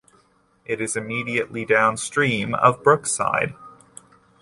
It is immediately downstream of Brookside.